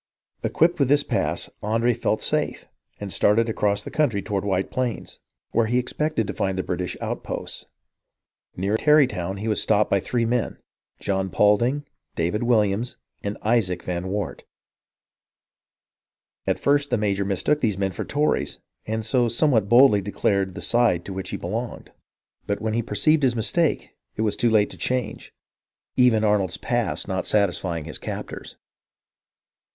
Equipped with this pass, Andre felt safe, and started across the country toward White Plains, where he expected to find the British outposts. Near Tarrytown, he was stopped by three men, John Paulding, David Williams, and Isaac van Wart. At first the major mistook these men for Tories, and so somewhat boldly declared the side to which he belonged ; but when he perceived his mistake, it was too late to change, even Arnold's pass not satisfying ARNOLD AND ANDRE 295 his captors.